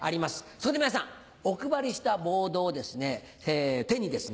そこで皆さんお配りしたボードを手にですね